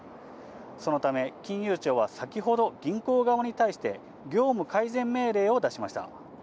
そのため、金融庁は先ほど、銀行側に対して、業務改善命令を出しました。